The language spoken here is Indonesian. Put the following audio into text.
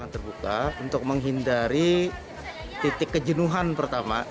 terbuka untuk menghindari titik kejenuhan pertama